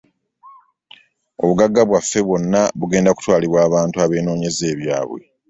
Obugagga bwaffe bwonna bugenda kutwalibwa abantu abeenonyeza ebyabwe.